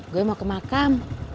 gue mau ke makam